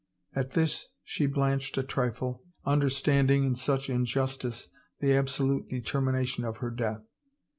At this she blanched a trifle, understanding in such in justice the absolute determination of her death.